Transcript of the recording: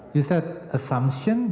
asumsi atau bagaimana